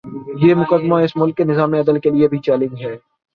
یہ مقدمہ اس ملک کے نظام عدل کے لیے بھی چیلنج ہے۔